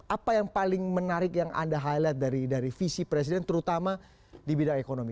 apa yang paling menarik yang anda highlight dari visi presiden terutama di bidang ekonomi